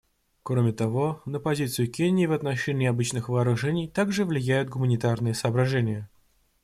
Кроме того, на позицию Кении в отношении обычных вооружений также влияют гуманитарные соображения.